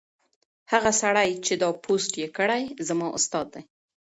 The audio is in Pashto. هغه سړی چې دا پوسټ یې کړی زما استاد دی.